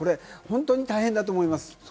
本当に大変だと思います。